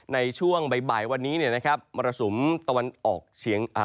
ในช่วงบ่ายวันนี้มารสุมตะวันออกเฉียง